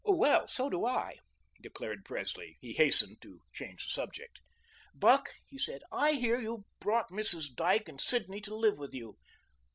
"Well, so do I," declared Presley. He hastened to change the subject. "Buck," he said, "I hear you've brought Mrs. Dyke and Sidney to live with you.